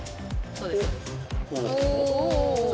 そうです。